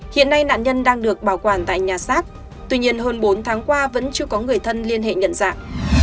hiện nay nạn nhân đang được bảo quản tại nhà sát tuy nhiên hơn bốn tháng qua vẫn chưa có người thân liên hệ nhận dạng